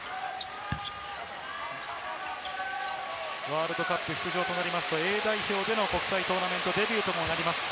ワールドカップ出場となりますとＡ代表での国際トーナメントデビューとなります。